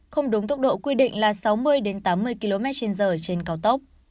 không đúng tốc độ quy định là sáu mươi tám mươi kmh trên cao tốc